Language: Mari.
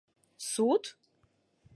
— Суд?!